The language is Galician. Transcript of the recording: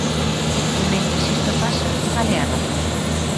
E mentres isto pasa, ¿cal é a razón?